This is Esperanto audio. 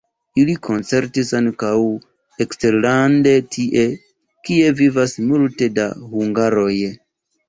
Ili koncertis ankaŭ eksterlande tie, kie vivas multe da hungaroj.